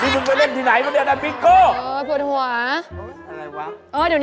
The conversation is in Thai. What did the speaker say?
เจ้าไหน